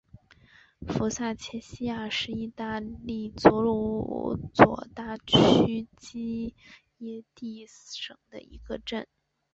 福萨切西亚是意大利阿布鲁佐大区基耶蒂省的一个镇。